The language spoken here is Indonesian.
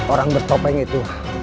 orang bertopeng itu